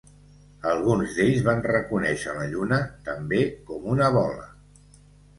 Alguns d'ells van reconèixer la Lluna també com una bola.